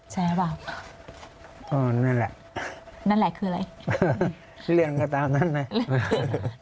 ใช่ไหมครับอ๋อนั่นแหละนั่นแหละคืออะไรเลื่อนก็ตามนั้นไหม